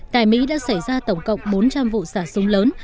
tại mỹ đã xảy ra tổng cộng bốn trăm linh vụ xả súng lớn